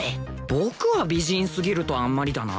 僕は美人すぎるとあんまりだな。